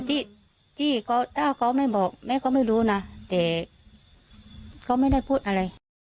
ที่เขาถ้าเขาไม่บอกแม่ก็ไม่รู้นะแต่เขาไม่ได้พูดอะไร